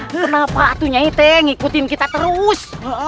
kenapa tuh nyai te ngikutin kita terus